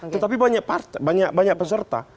tetapi banyak peserta